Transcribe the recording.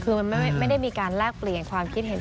คือมันไม่ได้มีการแลกเปลี่ยนความคิดเห็น